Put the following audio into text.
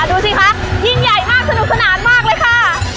ดูสิคะยิ่งใหญ่มากสนุกสนานมากเลยค่ะ